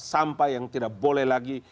sampah yang tidak boleh lagi